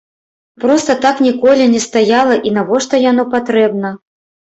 Проста так ніколі не стаяла і навошта яно патрэбна?